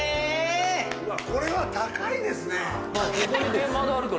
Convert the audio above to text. これは高いですね。